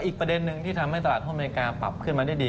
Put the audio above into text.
อีกประเด็นหนึ่งที่ทำให้ตลาดหุ้นอเมริกาปรับขึ้นมาได้ดี